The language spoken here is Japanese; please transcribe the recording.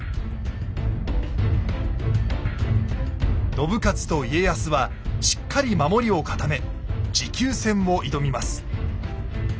信雄と家康はしっかり守りを固め持久戦を挑みます。